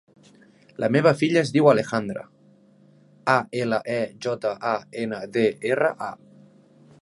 La meva filla es diu Alejandra: a, ela, e, jota, a, ena, de, erra, a.